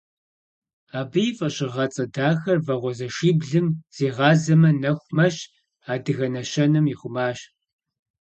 Абы и фӏэщыгъэцӏэ дахэр «Вагъуэзэшиблым зигъазэмэ, нэху мэщ» адыгэ нэщэнэм ихъумащ.